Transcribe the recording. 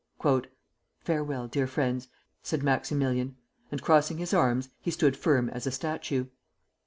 "Farewell, dear friends," said Maximilian, and crossing his arms, he stood firm as a statue.